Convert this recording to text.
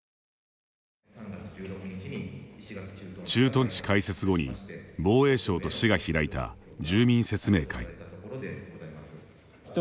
駐屯地開設後に防衛省と市が開いた住民説明会。